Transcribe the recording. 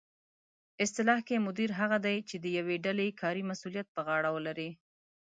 اصطلاح کې مدیر هغه دی چې د یوې ډلې کاري مسؤلیت په غاړه ولري